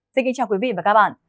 xin kính chào quý vị và các bạn